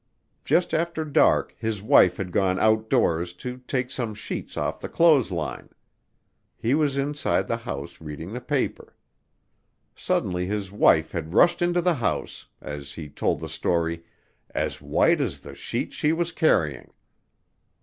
Just after dark his wife had gone outdoors to take some sheets off the clothesline. He was inside the house reading the paper. Suddenly his wife had rushed into the house, as he told the story, "as white as the sheets she was carrying."